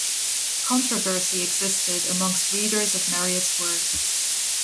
Controversy existed amongst readers of Marryat's work.